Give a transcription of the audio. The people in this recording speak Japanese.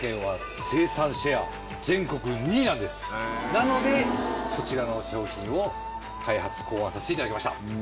なのでこちらの商品を開発考案させて頂きました。